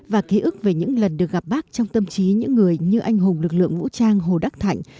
và ký ức về những lần được gặp bác trong tâm trí những người như anh hùng lực lượng vũ trang hồ đắc thạnh